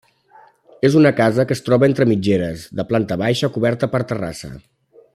És una casa que es troba entre mitgeres, de planta baixa, coberta per terrassa.